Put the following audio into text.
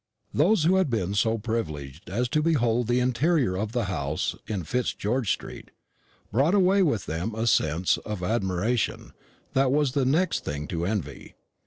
Those who had been so privileged as to behold the interior of the house in Fitzgeorge street brought away with them a sense of admiration that was the next thing to envy.